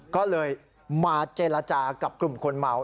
ก็เลยมาเจรจากับกลุ่มคนเมา